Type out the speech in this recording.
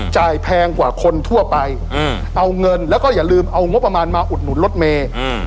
แพงกว่าคนทั่วไปเอาเงินแล้วก็อย่าลืมเอางบประมาณมาอุดหนุนรถเมย์